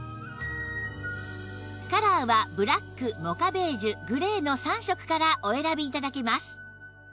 カラーはブラックモカベージュグレーの３色からお選び頂けます